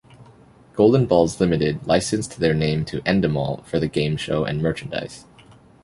Golden Balls Limited licensed their name to Endemol for the game show and merchandise.